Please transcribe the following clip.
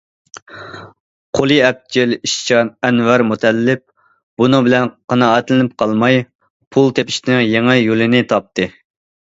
قولى ئەپچىل، ئىشچان ئەنۋەر مۇتەللىپ بۇنىڭ بىلەن قانائەتلىنىپ قالماي، پۇل تېپىشنىڭ يېڭى يولىنى تاپتى.